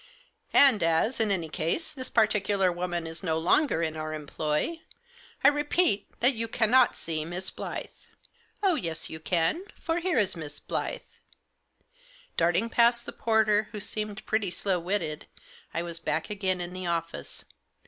And as, in any case, this particular young woman is no longer in our employ, I repeat that you cannot see Miss Blyth." " Oh, yes, you can— for here is Miss Blyth." " Darting past the porter, who seemed pretty slow witted, I was back again in the office.